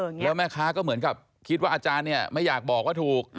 แล้วแม่ค้าก็เหมือนกับคิดว่าอาจารย์เนี่ยไม่อยากบอกว่าถูก